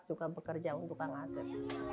suka bekerja untuk kang asep